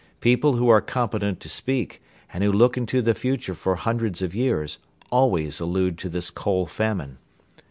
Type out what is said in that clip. People who are competent to speak, and who look into the future for hundreds of years, always allude to this coal famine.